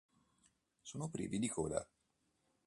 Sono privi di coda.